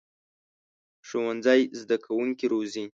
ښوونځی زده کوونکي روزي